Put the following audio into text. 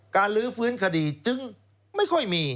ลื้อฟื้นคดีจึงไม่ค่อยมี